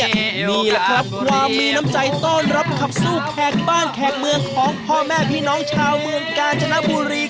นี่แหละครับความมีน้ำใจต้อนรับขับสู้แขกบ้านแขกเมืองของพ่อแม่พี่น้องชาวเมืองกาญจนบุรี